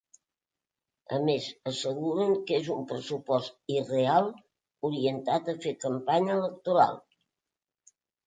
A més, asseguren que és un pressupost irreal orientat a fer campanya electoral.